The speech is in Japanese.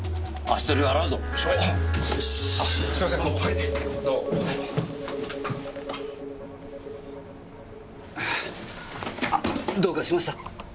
あどうかしました？